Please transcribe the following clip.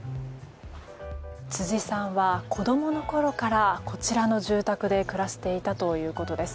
辻さんは、子供のころからこちらの住宅で暮らしていたということです。